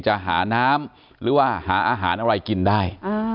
จะหาน้ำหรือว่าหาอาหารอะไรกินได้